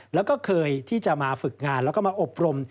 แล้วก็เคยที่จะมาฝึกงานแล้วก็มาอบรม